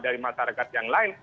dari masyarakat yang lain